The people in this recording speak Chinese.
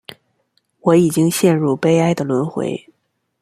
我已经陷入悲哀的轮回